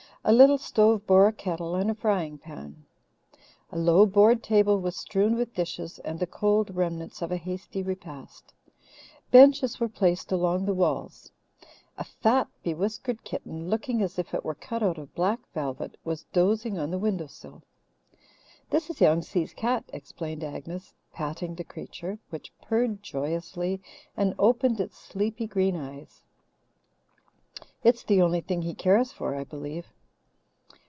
A little stove bore a kettle and a frying pan. A low board table was strewn with dishes and the cold remnants of a hasty repast; benches were placed along the walls. A fat, bewhiskered kitten, looking as if it were cut out of black velvet, was dozing on the window sill. "This is Young Si's cat," explained Agnes, patting the creature, which purred joyously and opened its sleepy green eyes. "It's the only thing he cares for, I believe.